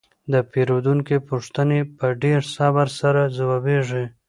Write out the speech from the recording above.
د پیرودونکو پوښتنې په ډیر صبر سره ځوابیږي.